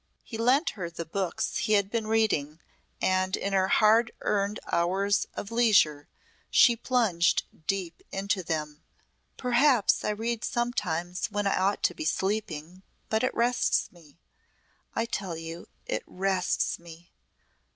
He lent her the books he had been reading and in her hard earned hours of leisure she plunged deep into them. "Perhaps I read sometimes when I ought to be sleeping, but it rests me I tell you it rests me.